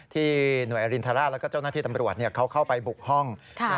ที่หน่วยอรินทราชแล้วก็เจ้าหน้าที่ตำรวจเขาเข้าไปบุกห้อง